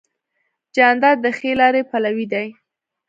جانداد د ښې لارې پلوی دی.